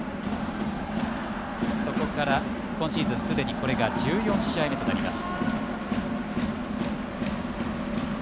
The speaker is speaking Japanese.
そこから今シーズン、すでにこれが１４試合目となります。